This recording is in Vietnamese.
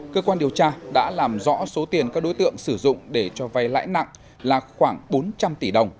cơ quan điều tra đã làm rõ số tiền các đối tượng sử dụng để cho vay lãi nặng là khoảng bốn trăm linh tỷ đồng